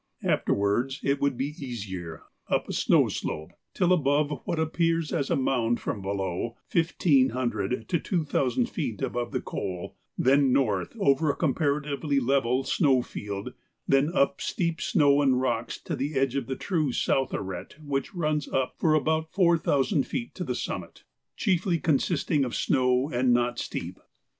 Afterwards it would be easier, up a snow slope till above what appears as a mound from below (1,500 to 2,000 feet above the col), then north over a comparatively level snow field; then up steep snow and rocks to the edge of the true south arête which runs up for about four thousand feet to the summit, chiefly consisting of snow and not steep.